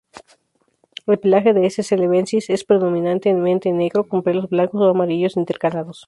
El pelaje de "S. celebensis" es predominantemente negro con pelos blancos o amarillos intercalados.